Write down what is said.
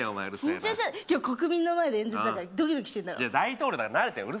今日国民の前で演説だからドキドキしてんだろ。